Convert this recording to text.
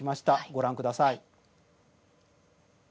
ご覧ください。